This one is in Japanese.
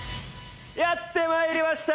やって参りました！